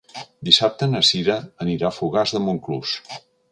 Dissabte na Sira anirà a Fogars de Montclús.